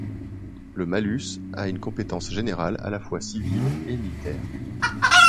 Le mallus a une compétence générale, à la fois civile et militaire.